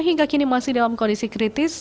hingga kini masih dalam kondisi kritis